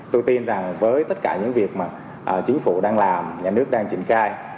tôi tin rằng với tất cả những việc mà chính phủ đang làm nhà nước đang triển khai